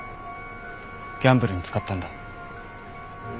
ギャンブルに使ったんだ。